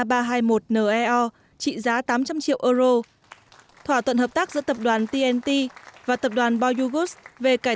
ba trăm hai mươi một neo trị giá tám trăm linh triệu euro thỏa thuận hợp tác giữa tập đoàn tnt và tập đoàn boyugos về cải